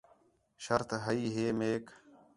شرط ہئی ہِے میک